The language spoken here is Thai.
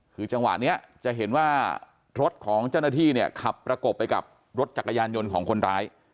คือจังหวะนี้จะเห็นว่ารถของเจ้าหน้าที่เนี่ยขับประกบไปกับรถจักรยานยนต์ของคนร้าย